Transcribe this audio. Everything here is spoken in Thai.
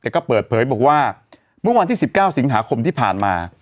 ก็เปิดเผยบอกว่าเมื่อวันที่๑๙สิงหาคมที่ผ่านมา